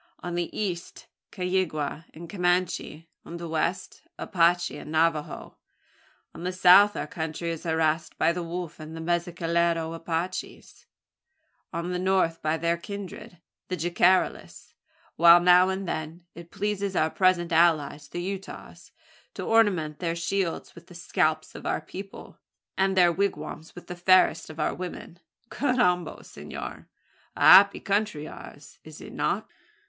On the east Caygua and Comanche, on the west the Apache and Navajo. On the south our country is harassed by the Wolf and Mezcalero Apaches, on the north by their kindred, the Jicarillas; while, now and then, it pleases our present allies the Utahs, to ornament their shields with the scalps of our people, and their wigwams with the fairest of our women. Carrambo! senor! a happy country ours, is it not?"